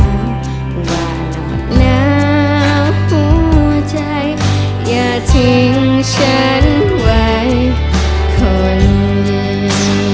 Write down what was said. หวังแล้วหัวใจอย่าทิ้งฉันไว้คนเดียว